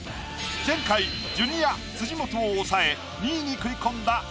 前回ジュニア辻元を抑え２位に食い込んだ